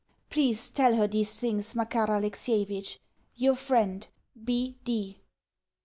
Please tell her these things, Makar Alexievitch. Your friend, B.